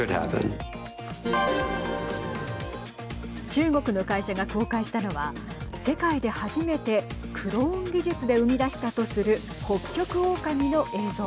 中国の会社が公開したのは世界で初めてクローン技術で生み出したとするホッキョクオオカミの映像。